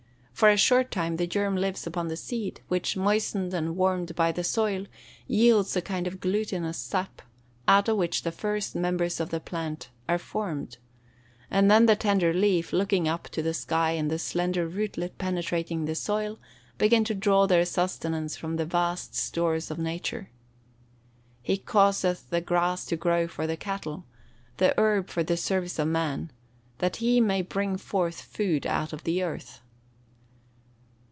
For a short time the germ lives upon the seed, which, moistened and warmed by the soil, yields a kind of glutinous sap, out of which the first members of the plant are formed. And then the tender leaf, looking up to the sky, and the slender rootlet penetrating the soil, begin to draw their sustenance from the vast stores of nature. [Verse: "He causeth the grass to grow for the cattle, and herb for the service of man: that he may bring forth food out of the earth."